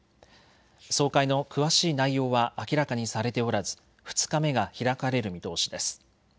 総会の詳しい内容は明らかにされておらず２日目が開かれる見通しです。